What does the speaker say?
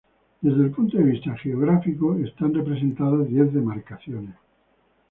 Desde el punto de vista geográfico, están representadas diez demarcaciones.